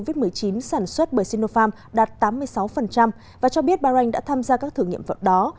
covid một mươi chín sản xuất bởi sinopharm đạt tám mươi sáu và cho biết bahrain đã tham gia các thử nghiệm vận đó